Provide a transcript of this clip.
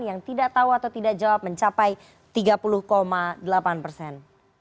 yang tidak tahu atau tidak jawab mencapai tiga puluh delapan persen